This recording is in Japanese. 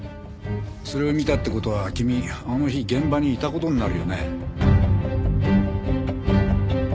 それを見たって事は君あの日現場にいた事になるよね。